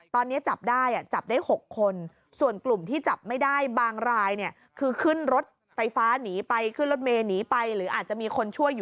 ตอนนี้จับได้จับได้๖คน